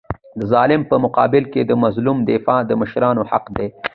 د ظالم په مقابل کي د مظلوم دفاع د مشرانو حق دی.